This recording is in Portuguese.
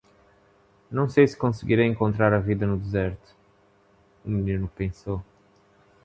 Não sei se conseguirei encontrar a vida no deserto? o menino pensou.